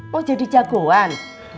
mau jadi jagoan